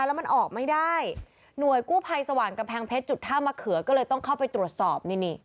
แล้วมันออกไม่ได้หน่วยกู้ภัยสว่างกำแพงเพชรจุดท่ามะเขือก็เลยต้องเข้าไปตรวจสอบนี่นี่